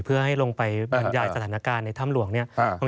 เพื่อให้ลงไปบรรยายสถานการณ์ในถ้ำหลวงเนี่ย